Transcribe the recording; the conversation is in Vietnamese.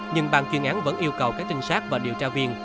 nhưng bàn chuyên án vẫn yêu cầu các trinh sát và điều tra viên